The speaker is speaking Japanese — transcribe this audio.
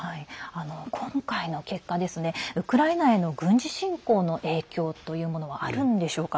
今回の結果ウクライナへの軍事侵攻の影響というものはあるのでしょうか。